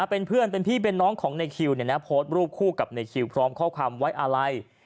เป็นเพื่อนเป็นพี่เป็นน้องของในคิวโพสต์รูปคู่กับในคิวพร้อมข้อความไว้อะไร